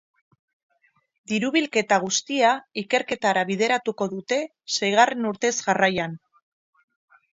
Diru-bilketa guztia ikerketara bideratuko dute, seigarren urtez jarraian.